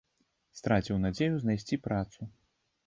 Страціў надзею знайсці працу.